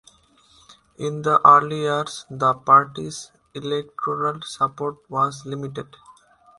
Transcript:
In the early years the party's electoral support was limited.